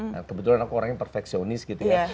nah kebetulan aku orang yang perfeksionis gitu ya